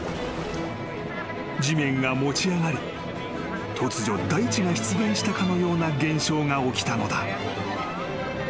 ［地面が持ち上がり突如大地が出現したかのような現象が起きたのだ］